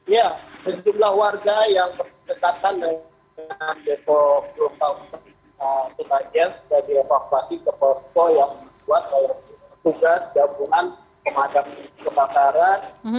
ya sejumlah warga yang berdekatan dengan depok global sunance sudah dievakuasi ke posko yang dibuat oleh tugas gabungan pemadam kebakaran